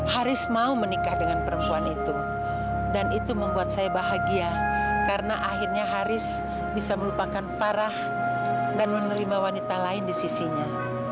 haris mau menikah dengan perempuan itu dan itu membuat saya bahagia karena akhirnya haris bisa melupakan farah dan menerima wanita lain di sisinya